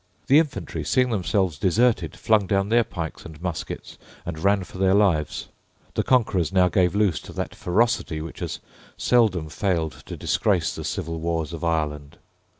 The infantry, seeing themselves deserted, flung down their pikes and muskets and ran for their lives. The conquerors now gave loose to that ferocity which has seldom failed to disgrace the civil wars of Ireland.